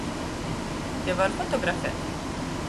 Te var fotografēt?